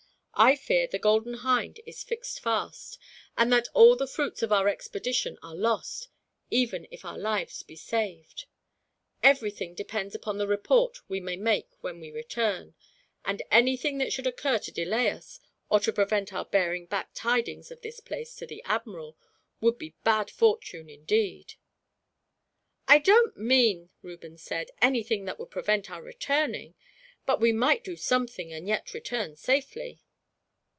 I fear the Golden Hind is fixed fast, and that all the fruits of our expedition are lost, even if our lives be saved. Everything depends upon the report we may make when we return; and anything that should occur to delay us, or to prevent our bearing back tidings of this place to the admiral, would be bad fortune, indeed." "I don't mean," Reuben said, "anything that would prevent our returning. But we might do something, and yet return safely."